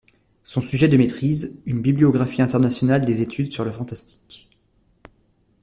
Son sujet de maîtrise: une bibliographie internationale des études sur le fantastique.